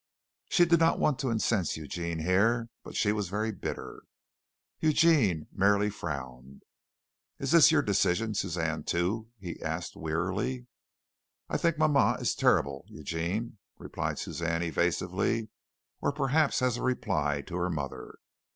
She did not want to incense Eugene here, but she was very bitter. Eugene merely frowned. "Is this your decision, Suzanne, too?" he asked wearily. "I think mama is terrible, Eugene," replied Suzanne evasively, or perhaps as a reply to her mother.